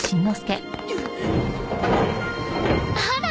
あら！